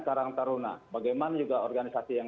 karang taruna bagaimana juga organisasi yang